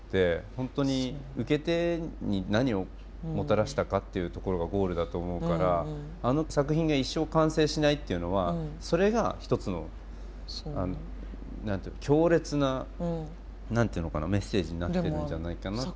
本当に受け手に何をもたらしたかっていうところがゴールだと思うからあの作品が一生完成しないっていうのはそれが一つの何て言うの強烈な何て言うのかなメッセージになってるんじゃないかなっていう。